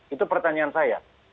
itu pertanyaan saya